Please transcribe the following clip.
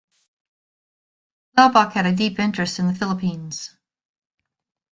Laubach had a deep interest in the Philippines.